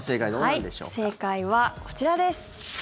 正解はこちらです。